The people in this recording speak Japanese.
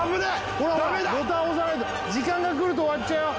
ボタン押さないと時間が来ると終わっちゃうよ